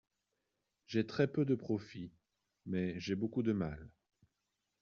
J’ai très peu de profits ; mais j’ai beaucoup de mal.